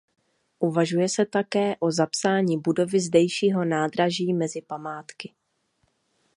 Uvažuje se také o zapsání budovy zdejšího nádraží mezi památky.